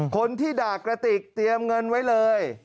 คนที่ด่ากระติกเตรียมเงินไว้เลย